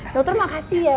dokter makasih ya